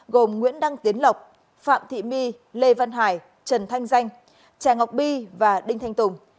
gồm nguyễn đăng tiến lộc phạm thị my lê văn hải trần thanh danh trà ngọc bi và đinh thanh tùng